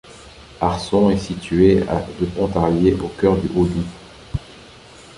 Arçon est située à de Pontarlier au cœur du Haut-Doubs.